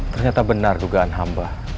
ternyata benar dugaan hamba